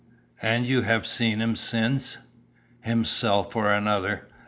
"And you have seen him since?" "Himself or another.